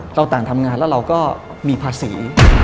ต่างทำงานแล้วเราก็มีภาษี